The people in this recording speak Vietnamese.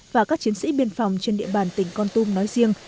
và các chiến sĩ biên phòng trên địa bàn tỉnh con tum nói riêng